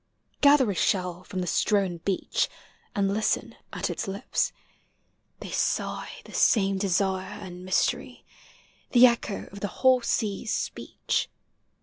Gather a shell from the strown beach And listen at its lips : thej sigh The same desire and mystery, The echo of the whole sea's speech.